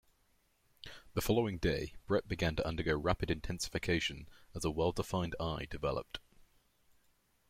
The following day, Bret began to undergo rapid intensification, as a well-defined eye developed.